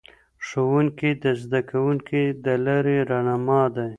ښوونکي د زده کوونکو د لارې رهنما دي.